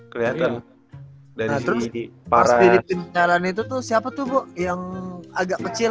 kelihatan dari sini parah itu tuh siapa tuh yang agak kecil